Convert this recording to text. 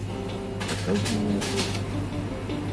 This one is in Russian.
Показ миниатюр